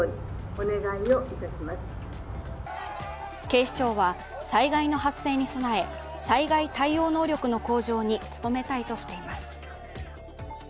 警視庁は災害の発生に備え、災害対応能力の向上に努めたいとしています。